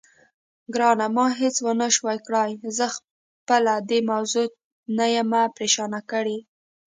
ګرانه، ما هېڅ ونه شوای کړای، زه خپله دې موضوع نه یم پرېشانه کړې.